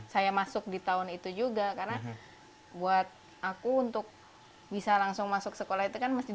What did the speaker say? saya masuk di tahun itu juga karena buat aku untuk bisa langsung masuk sekolah itu kan mesti